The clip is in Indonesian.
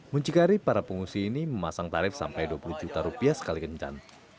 muncikari para pengungsi ini memasang tarif sampai dua puluh juta rupiah sekali kencan